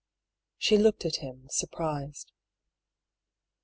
She looked at him, surprised.